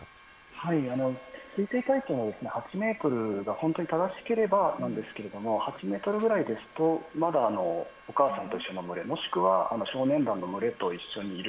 はい、推定体長８メートルが本当に正しければなんですけれども、８メートルぐらいですとまだお母さんと一緒の群れ、もしくは、少年団の群れと一緒にいる、